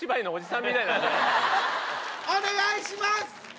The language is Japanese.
お願いします！